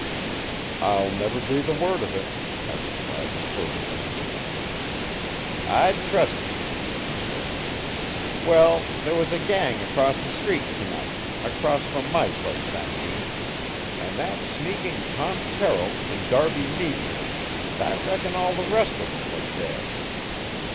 "I'll never breathe a word of it," I replied fervently. "I'd trust ye," she said. "Well, there was a gang across the street to night across from my place, I mean and that sneaking Tom Terrill and Darby Meeker, and I reckon all the rest of 'em, was there.